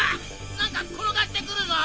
なんかころがってくるぞ！